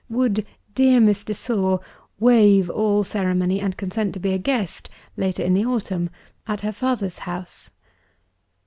Would "Dear Miss de Sor" waive all ceremony, and consent to be a guest (later in the autumn) at her father's house?